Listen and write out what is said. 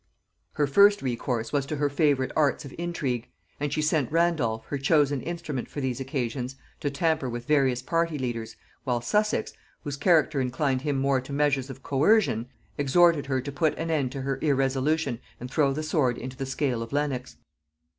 Her first recourse was to her favorite arts of intrigue; and she sent Randolph, her chosen instrument for these occasions, to tamper with various party leaders, while Sussex, whose character inclined him more to measures of coercion, exhorted her to put an end to her irresolution and throw the sword into the scale of Lenox.